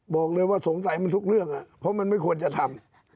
บอกเลยว่าสงสัยมันทุกเรื่องเพราะมันไม่ควรจะทำ